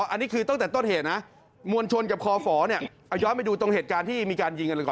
อันนี้คือต้นแต่ต้นเหตุนะ